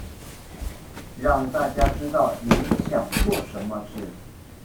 讓大家知道你想做什麼事